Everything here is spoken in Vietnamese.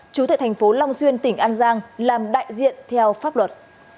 chú tại thành phố long xuyên tỉnh an giang làm đại diện theo pháp luật